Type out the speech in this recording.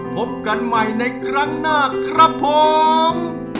พบกันใหม่ในครั้งหน้าครับผม